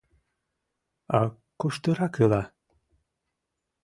А куштырак ила?